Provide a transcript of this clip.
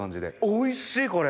おいしいこれ！